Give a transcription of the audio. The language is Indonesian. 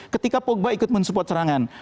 ketika pogba ikut mensupport serangan